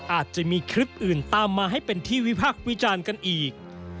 อาจจะมีคลิปอื่นตามมาให้เป็นที่วิพักษ์วิจารณ์กันอีก